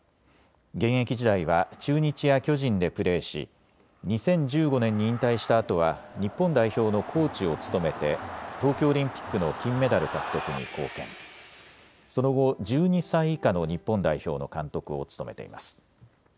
現役時代は中日や巨人でプレーし２０１５年に引退したあとは日本代表のコーチを務めて東京オリンピックの金メダル獲得に貢献、その後、１２歳以下の日本代表の監督を務めています。